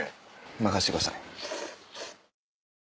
任してください。